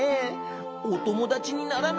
おともだちにならない？